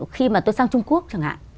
khi mà tôi sang trung quốc chẳng hạn